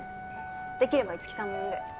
できれば樹さんも呼んで。